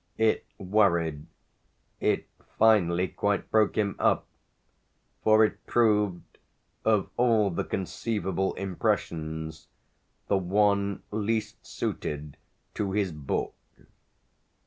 It worried, it finally quite broke him up, for it proved, of all the conceivable impressions, the one least suited to his book.